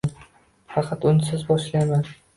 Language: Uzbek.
Faqat unsiz boʼzlayman.